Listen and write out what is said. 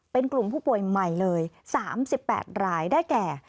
เป็นกลุ่มผู้ป่วยใหม่เลย๓๘รายได้แก่